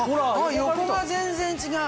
横が全然違う。